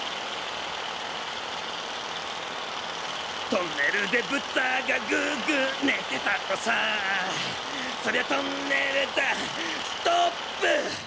トンネルでぶたがグーグーねてたとさそりゃトンネルだストーップ！